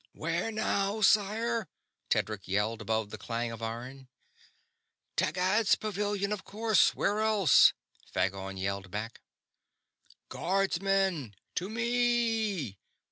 "Where now, sire?" Tedric yelled, above the clang of iron. "Taggad's pavilion, of course where else?" Phagon yelled back. "Guardsmen, to me!"